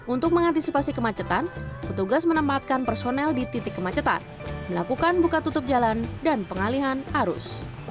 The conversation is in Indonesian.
untuk mengantisipasi kemacetan petugas menempatkan personel di titik kemacetan melakukan buka tutup jalan dan pengalihan arus